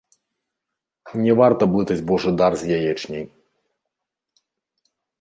Не варта блытаць божы дар з яечняй.